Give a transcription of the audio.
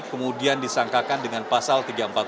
kemudian disangkakan dengan pasal tiga ratus empat puluh